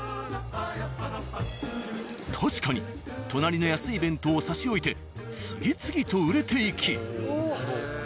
確かに隣の安い弁当を差し置いて次々と売れていき。